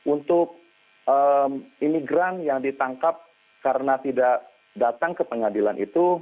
untuk imigran yang ditangkap karena tidak datang ke pengadilan itu